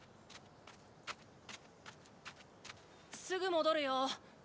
すぐ戻るよ！